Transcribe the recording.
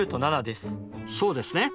そうですね。